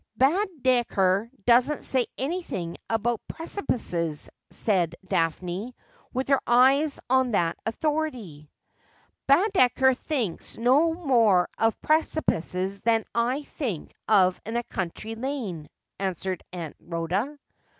' Baedeker doesn't say anything about precipices,' said Daphne, with her eyes on that authority. ' Baedeker thinks no more of precipices than I think of a country lane,' answered Aunt Rhoda.